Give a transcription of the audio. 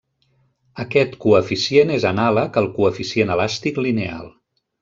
Aquest coeficient és anàleg al coeficient elàstic lineal.